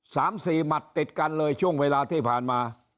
สามสี่หมัดติดกันเลยช่วงเวลาที่ผ่านมา